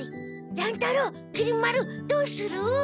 乱太郎きり丸どうする？